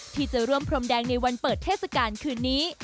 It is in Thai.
ที่จะร่วมพรมแดงในวันเปิดเทศกาลคืนนี้